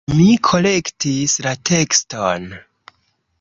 Mi korektis la tekston.